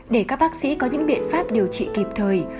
để các bác sĩ có những biện pháp điều trị kịp thời